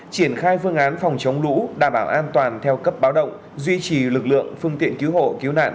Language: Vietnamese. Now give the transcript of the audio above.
triển khai phương án phòng chống lũ đảm bảo an toàn theo cấp báo động duy trì lực lượng phương tiện cứu hộ cứu nạn